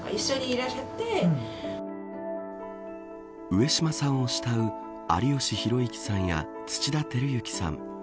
上島さんを慕う有吉弘行さんや土田晃之さん